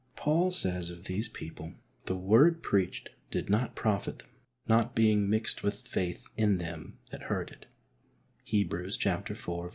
Paul says of these people :" The word preached did not profit them, not being mixed with faith in them that heard it " {Heb, iv.